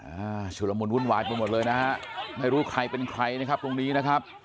ชุดละมุนวุ่นวายไปหมดเลยนะฮะไม่รู้ใครเป็นใครนะครับตรงนี้นะครับ